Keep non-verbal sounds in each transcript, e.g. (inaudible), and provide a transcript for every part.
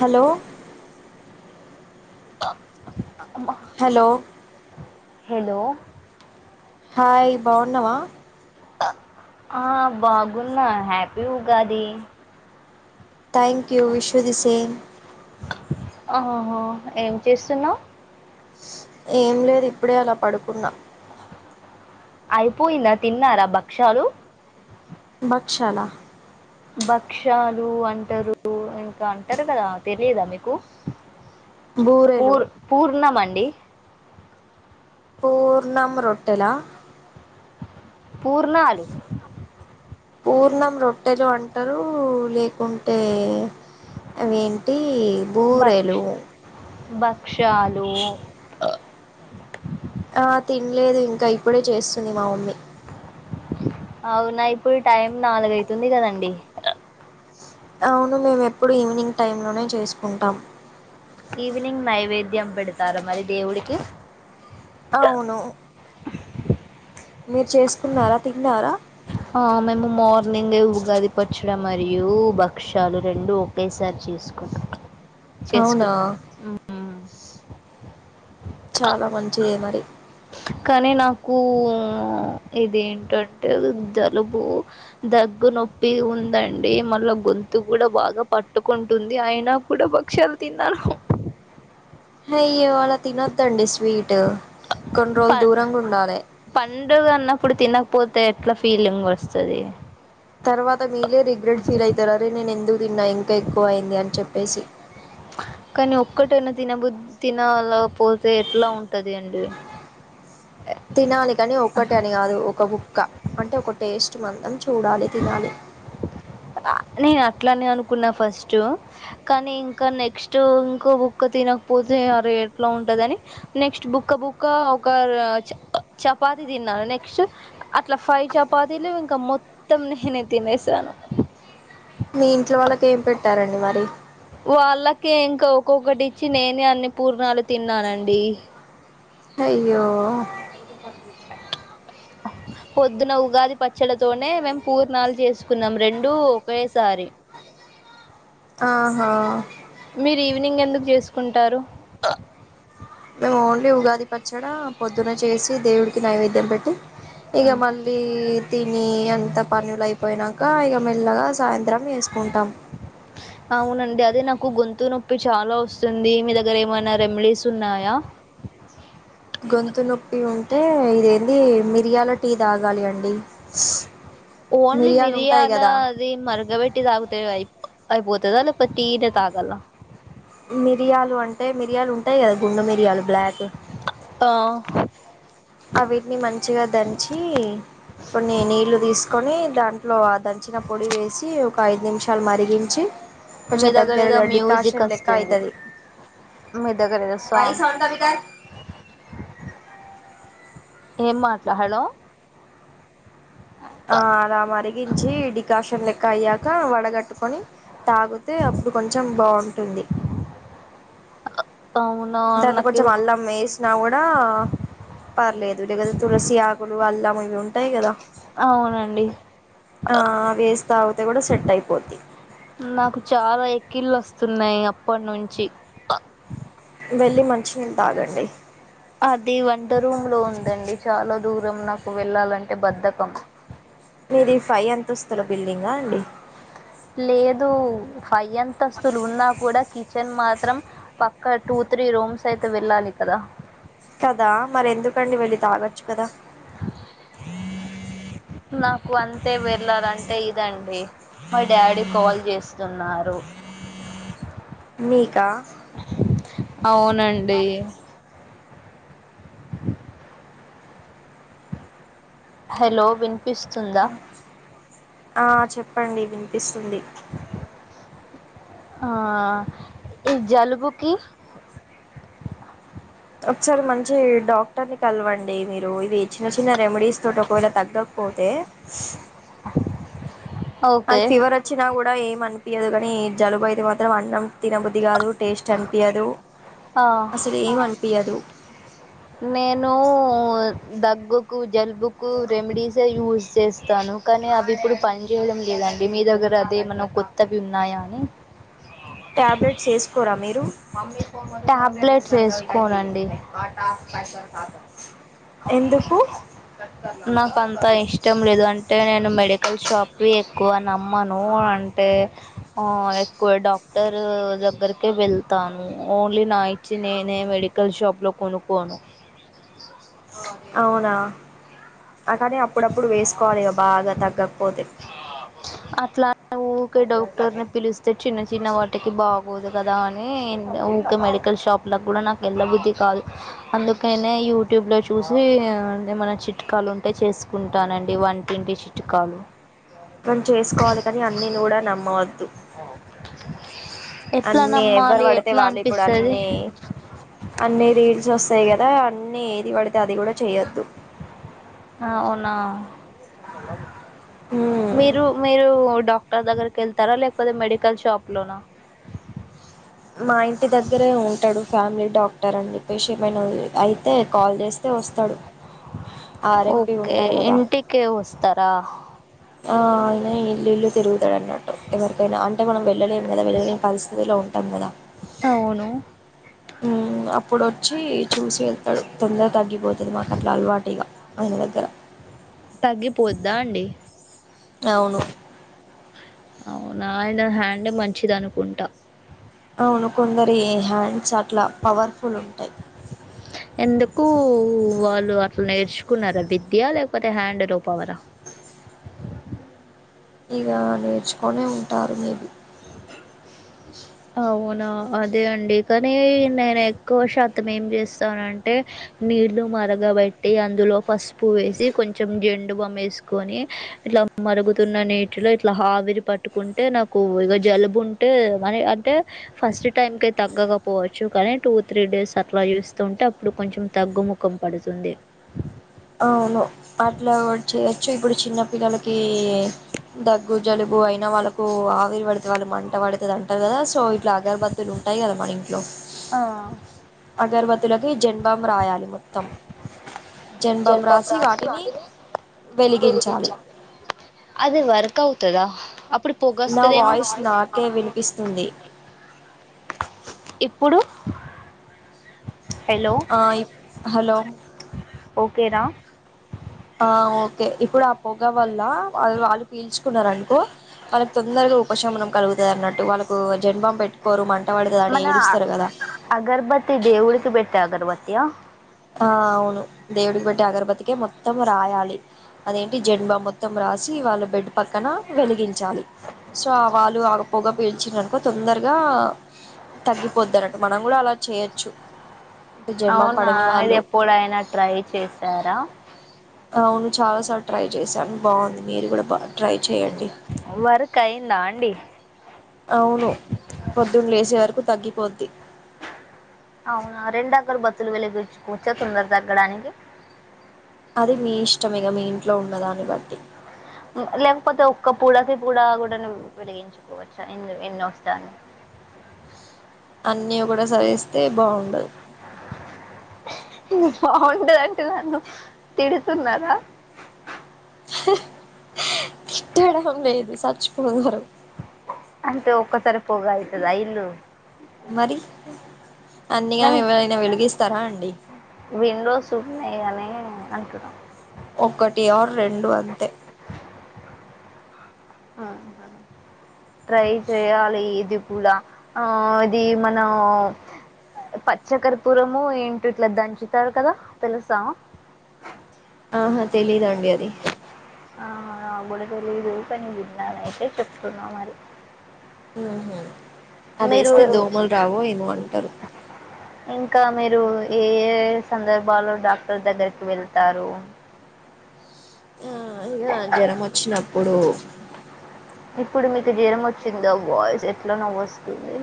Hello ఆహ్ hello hello hi బాగున్నావా ఆ బాగున్నా happy Ugadi thank you wish you the same ఆహహా ఏం చేస్తున్నావ్ ఏం లేదు ఇప్పుడే అలా పడుకున్నా అయిపోయిందా తిన్నారా భక్షలు బక్షలా భక్షలు అంటారు ఇంకా అంటారు కదా తెలియదా మీకు బూరెలు పూర్ పూర్ణ మండి పూర్ణం రొట్టెలా పూర్ణాలు పూర్ణం రొట్టెలు వంటలు లేకుంటే అవేంటి బూరెలు బక్క వృక్షాలు ఆ తినలేదు ఇంకా ఇప్పుడే చేస్తుంది మా మమ్మీ అవునా ఇప్పుడు టైం నాలుగయితుంది కదండి అవును మేము ఎప్పుడు ఈవినింగ్ టైమ్ లోనే చేసుకుంటాం ఈవినింగ్ నైవేద్యం పెడతారుా మరి దేవుడికి అవును మీరు చేసుకున్నారా తిన్నారా మేము మార్నింగ్ ఉగాది పచ్చడి మరియు భక్షలు రెండు ఒకేసారి చేసుకుంటాం అవునా చేసుకున్నాం చాలా మంచియ మరి కానీ నాకు ఇదింటంటే జలుబు దగ్గు నొప్పి ఉందండి మళ్ళా గొంతు కూడా బాగా పట్టుకుంటుంది అయినా కూడా భక్ష్యాలు తిన్నారును హ వా తినదండి స్వీట్ కొంట్రోల్ ప దూరం కొండాలి పోతే ఎట్లా ఫీలింగ్ వస్తుంది తర్వాత మ మీలే రగ్రట్ ఫీల్ అయిారే నేను ఎ ఎందు తిన్నా ఇంకా ఎక్కువ అయింది అని చెప్పేసి కానీ ఒక్కటైనా తినబుద్ తినాల పోతే ఎట్లా ఉంటది అండి ది ఒకటి అని కాదు ఒక బుక్ క్క అంటే ఒక టేస్ట్ మందం చూడాలి తినాలి నేను అట్లానే అనుకున్నా ఫస్ట్ కానీ ఇంకా నెక్స్ట్ ఇంకో బుక్క తినకపోతే అరే ఎట్లా ఉంటందని నెక్స్ట్ బుక్క బుక్క ఒక చ చపాతి తిన్నాను నెక్స్ట్ అట్లా ఫైవ్ చపాతీలు ఇంకా మొత్తం నేనే తినేసాను మీ ఇంట్లో వాళ్ళ ఏం పెట్టారండి మరి వాళ్ళకే ఇంకా ఒక్కొక్కటిచ్చి నేనే అన్ని పూర్ణాలు తిన్నానండి అయ్యో పొద్దున ఉగాది పచ్చడ తోనే మేం పూర్ణాలు చేసుకున్నాం రెండూ ఒకేసారి ఆహా మీరు ఈవినింగ్ ఎందుకు చేసుకుంటారు మేము ఓన్లీ ఉగాది పచ్చడ పొద్దున చేసి దేవుడికి నైవేద్యం పెట్ తే ఇగ మళ్ళీ తిని అంత పనులు అయిపోయినాక ఇగ మెల్లగా సాయంత్రం ఏసుకుంటాం కు గొంతు నొప్పి చాలా వస్తుంది మీ దగ్గర ఏమైనా రెమెడీస్ ఉన్నాయా గొంతు నొప్పి ఉంటే ఇదేంది మిరియాల టీ తాగాలి అండి ఓన్లీ మిరియాలు ఉంటాయి మిరియాల కదా అది మరగబెట్ట తాగుతే ఐప్ అయిపోతదా లేక టీ తో తాగాలా మిరియాలు అంటే మిరియాలు ఉంటాయి కదా గుండు మిరియాలు బ్లా ఆ అ వీటిని మంచిగా దంచి కొన్ని నీళ్లు తీసు కొని దాంట్లో ఆ దంచిన పొడి వేసి ఒక ఐదు నిమిషాలు మరిగించి మీ కొంచం దగ్గర ఏదో దగ్గరగా మ్యూజిక్ డికార్షన్ లెక్క వస్తుంది. ఐతాది మీ దగ్గర ఏదో సాంగ్ ఏం మాట్లా హలో ఆ అలా మరిగించి డికాషన్ లెక్క అయ్యాక వడగట్టుకొని తాగుతే అప్పుడు కొంచెం బావుం ఉంటుంది అవునా దాంట్లో నాకు కొంచెం అల్లం వేస్ నా కూడా పర్లేదు లే కదా తులసి ఆకులు అల్లం ఇవి ఉంటాయి కదా అవునండి తాగుతే కూడా సెట్ అయిపోద్ది నాకు చాలా ఎక్కిళ్ళొస్తున్నాయి అప్పటి నుంచి వెళ్ళి మంచినీళ్లు తాగండి అది వంట రూమ్ లో ఉందండి చాలా దూరం నాకు వెళ్ళాలంటే బద్ధకం మీది ఫై అంతస్ధుల బిల్డింగా అండి లేదు ఫై అంతస్తులు ఉన్నా కూడా కిచ్ న్ మాత్రం పక్కా టూ త్రీ రూమ్స్ అయితే వెళ్ళాలి కదా కదా మరి ఎందుకండి వెళ్ళి తాగ అచ్చు కద నాకు అంతే వెళ్ళాలంటే ఇదండి మా డాడీ కాల్ చేస్తున్నారు మీకా అవునండి హలో విం ఆ చెప్పండి వి ఇస్తుంది ఆ ఈ జలుబుకిీ ఒకసారి మంచి డాక్టర్ ని కలవండి మీరు ఇది చిన్న చిన్న రెమెడీస్ తోటి ఒకవేళ తగ్గకపోతే అది ఓకే ఫీవర్ వచ్చినా కూడా ఏం మనిపిించదు కాగాని జలుబ అతే మాత్రం అన్నం తినబుద్ధి కాదు టేస్ట్ అనిపింయదు ఆ అసలు ఏమి అనిపింయాదు నేను దగ్గుకు జలుబుకు రెమెడీసే యూస్ చేస్తాను కానీ అవి ఇప్పుడు పనిచేయడం లేదండి మీ దగ్గర అదేమన్నా కొత్తవి ఉన్నాయా అని టాబ్లెట్స్ వేసుకోరా మీరు టాబ్లెట్స్ వేసుకోనండి ఎందుకు నాకు అంత ఇష్టం లేదు అంటే నేను మెడికల్ షాప్వి ఎక్కువ నమ్మాను అంటే ఎక్కువ డాక్టర్ దగ్గరికి వెళ్ ళ్తాను ఓన్లీ నా ఇచ్చి నేనే మెడికల్ షాప్ లో కొనుక్కోను అవునా అ కానే అప్పుడప్పుడు వేసుకోవాలి బాగా తగ్గకపోతే ఒకే డాక్టర్ని పిలిస్తే చిన్న చిన్న వాటికి బాగోదు కదా అని ఒకే మెడికల్ షాప్లో కూడా నాకు వెళ్ళ బుద్ధి కాదు అందుకనే యూట్యూబ్లో చూసి ఏమైనా చిట్కాలు ఉంటే చేస్త చట్టుకుంటానండి వంటింటి చిట్కాలు మనం చేసుకోవాలి కాని అన్ని కూడా నమ్మావొద్దు ఎట్లా అన్నిీ ఎవ్వరు నమ్మాలి పడితే ఎట్లా వాళ్ళు ఇప్పుడు అనిపిస్తది అన్నిీ అన్నిీ రీల్స్ వస్తాయి కదా అ నిన్న ఏది పడితే అది కూడా చెయ్యొద్దు మొన్న హ్మ్ మీరు మీ మీరు డాక్టర్ దగ్గరకి వెళ్తారా లేకపోతే మెడికల్ షాప్ లోనా మా ఇంటి దగ్గరే ఉంటాడు ఫ్యామిలీ డాక్టర్ అని చెప్పేసిమైనా అయితే కాల్ చేస్తే వస్తాడు ఆర్ఎంపి ఓకే ఉంటారు కదా ఇంటికే వస్తారా ఆ అయిన ఇల్ ఇల్ తెరుగు టు ఎవరికీ అయిన అంటేం (inaudible) పరిస్థితిలో ఉంటుంది కదా అవును అప్పుడొచ్చి చూసి వెళ్తాడు తొందరగా తగ్గిపోతుంది మాకు అట్లా అలవాటుగా ఆయన దగ్గర తగ్గిపోద్దా అండి అవును అవునా ఆయన హ్యాడ్ మంచిది అనుకుంటా అవును కొందరి హ్యాండ్స్ అట్లా పవర్ఫుల్ ఉంటాయి ఎందుకు వాళ్ళు అట్లా నేర్చుకున్నారా విద్య లేకపోతే హ్యాండ్ లో పవరా ఇక నేర్చుకొనే ఉంటారు మేబి అవును ఆ అదే అండి కానీ నేను ఎక్కువ శాతం ఏం చేస్తానంటే నీళ్లు మరగబెట్టి అందులో పసుపు వేసి కొంచెం జెండుబమ్ వేసుకొని ఇట్లా మరుగుతున్న నీటిలో ఇట్లా ఆవిరి పట్టుకుంటే నాకు క్కువ ఇగా జలుబు ఉంటే మ అంటే ఫస్ట్ టైంకి తగ్గక పోవచ్చు కానీ టూ త్రీ డేస్ అట్లా చేస్తుూ ఉంటే అప్పుడు కొంచెం తగ్గుముఖం పడుతుంది అవును అట్లా చేయచ్చు ఇప్పుడు చిన్న పిల్లలకి దగ్గు జలుబు అయినా వాళ్ళకు ఆవిరి పడితే వాళ్ళు మంట పడుతుది అంటారు కదా సో ఇట్లా అగర్బత్తులు ఉంటాయి కదా మన ఇం ఆ అగర్వద్ తలకి జన్దుబొంబ్ రాయాలి మొత్తం (unintelligible) జెంబాం రాసి వాటిని వెలిగించాలి అది వర్క్ త్తదా నా ఇప్పుడుపుగస్తదేమో వాయిస్ నాకే వినిపిస్తుంది ఇప్పు ఇప్పుడు హలో ఆ ఇ హలో ఓకేనాా ఆ ఓకే ఇప్పుడు ఆ పొగ వల్ల వా వాళ్ళు పీల్చుకున్నారు అనుకో వాళ్ళకి తొందరగా ఉపశమనం కలుగుత అన్నట్టు వాళ్ళకు జంబామ్ పెట్టుకోరు మంట పడుతుంది అని మన ఏడుస్తారు కదా అగర్బత్తి దేవుడికి పెట్టే అగర్బత్తి య ఆ అవును దేవుడికి పెట్టి అగరబతికే మొత్తం రాయాలి అదేంటి జన్దూబాంబ్ మొత్తం రాసి వాళ్ళ బెడ్ పక్కన వెలిగించాలి సో వాళ్ళు ఆ పొగ పీల్చిరనుకో తొందరగా తగ్గిపోద్ద అన్నట్టు మనం కూడా అలా చేయచ్చు జన్మా పడ ఆ ఇది ఎప్పుడైనా ట్రై చేశారా అవును చాలా సార్లు ట్రై చేశాను బాగుంది మీరు కూడా బా ట్రై చేయండి వర్క్ అయిందా అండి అవును పొద్దున్న లేసే వరకు తగ్గి పొద్ది అవునా రెండ అగరు బత్తులు వెలిగచుకో చేతులు నొప్పి తగ్గడానికి అది మీ ఇష్టమేగా మీన్ లేెంపోతే ఒక పడకి కూడాూ కూడా వెలిగించుకోవచ్చా ఎ ఎన్నో వస్తాన్ని అన్నీ కూడా సరిస్తే బాగుండదు బాగుంటదంటే నన్ను తిడుతున్నారా తిట్టడం లేదు చచ్చిపోన్నారురు అంటే ఒక్కసారి పోగా అయితుదా ఇల్లు మరి మ అందుకని ఎవరైనా వెలిగిస్తారా అండి విండోస్ ఉన్నాయ్ అని కదా ఒకటి ఆర్ రెండు అంతే ట్రై చేయాలి ఇది కూడా ఆ ఇది మనం పచ్చ కర్పూరము ఏంటో ఇట్లా దంచుతారు కదా తెలుసా ఆహా తెలిదండి అది ఆ కూడా తెలిదు పని జిందని అయితేతే చెప్పుకున్నా మరి హ్మ్ హు అది మీరు వేస్తే దోమలు రావ ఏమో అంటారు ఇంకా మీరు ఏ ఏ సందర్భాలో డాక్టర్ దగ్గరకి వెళ్తారు ఆ ఇక జ్వరం వచ్చినాప్ కుడు ఇప్పుడు మీకు జీరం వచ్చిందో వాయిస్ ఎట్లా నవ్వు వస్తుంది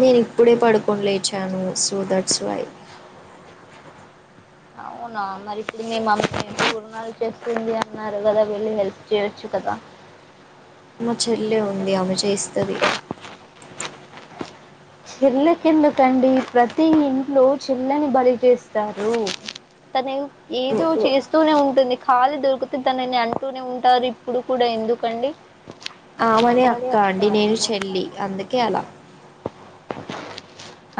నేను ఇప్పుడే పడుకొని లేచాను సో దట్స్ వై అవునా మరి ఇప్పుడు మీ మ అమ్మ ఏ గుణాలు చేస్తుంది అన్నారు కదా వెళ్ళి హెల్ప్ చేయొచ్చు కదా మా చెల్లె ఉంది ఆమె చేస్తది చెల్ల కిందకండి ప్రతి ఇంట్లో చెల్లని బలి చేస్తారు తన ఏదో చేస్తూనే ఉంటుంది ఖాళీ దొరికితే తనని అంటూనే ఉంటారు ఇప్పుడు కూడా ఎందుకండి ఆమనే అక్క అండి నేను చెల్లి అందుకే అలా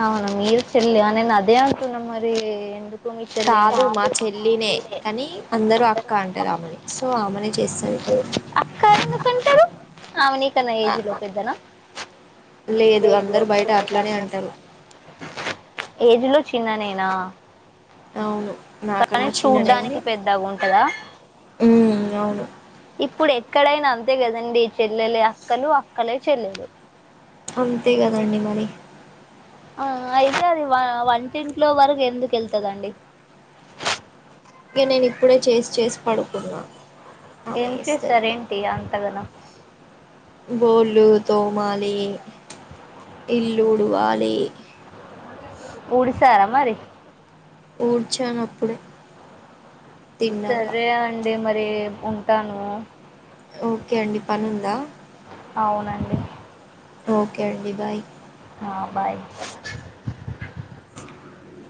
అవున మీరు చెల్లి నేన్ అదే అంటు నమ్ మరి ఎందుకు మీ చెల్లిని కాదు మా చెల్లినే కానీ అందరూ అక్క అంటారు ఆమని సో ఆమెని చేస్తది అక్క ఎందుకంటారు ఆమె నీకన్నా ఆ ఏజ్ లో పెద్దనా లేదు అందరు అట్లానే అంటారు ఏజ్ లో చిన్ననే న్నా అవును చిన్నదే అండి పెద్దగా ఉంటదా మ్మ్ అవును ఇప్పుడు ఎక్కడైనా అంతే కదండి చెల్లెలే అక్కలు అక్కలే చెల్లెలు అంతే కదండి మరి ఆ అయితే ఆ అది వంటింట్లో వరకు ఎందుకు వెళ్తుందిండి ఇంక నేను ఇప్పుడే చేసి చేసి పడుకున్నా ఆమె ఏం చేస్తది చేస్తార ఏంటి అంతగాన గోళ్ళ తోమాలి ఇల్లు ఉడ్వలి ఊడిసారా మరి ఊడ్చాను అప్పుడే తిన్నాక సరే అండి, మరి ఉన్ టాను. ఓకే అండి, పనుందా? అవునండి. ఓకే అండి, బాయ్. ఆ బాయ్. (inaudible)